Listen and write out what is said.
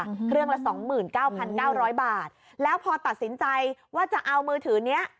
เครื่องละสองหมื่นเก้าพันเก้าร้อยบาทแล้วพอตัดสินใจว่าจะเอามือถือเนี้ย